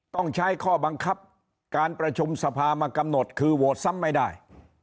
ต้องใช้ข้อบังคับการประชุมสภามากำหนดคือโหวตซ้ำไม่ได้